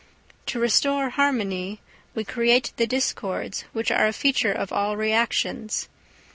To restore harmony we create the discords which are a feature of all reactions.